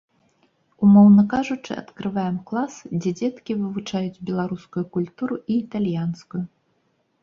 Умоўна кажучы, адкрываем клас, дзе дзеткі вывучаюць беларускую культуру і італьянскую.